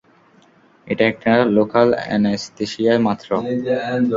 এটা একটা local anaesthesia মাত্র!